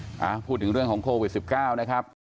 อ่าพูดถึงเรื่องของโควิด๑๙นะครับ